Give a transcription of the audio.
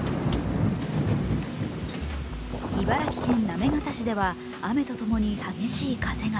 茨城県行方市では、雨とともに激しい風が。